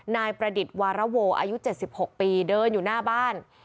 นายประดิษฐ์วารโวอายุ๗๖ปีเดินอยู่หน้าบ้าน